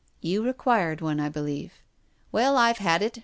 " "You required one, I believe." " Well, I've had it.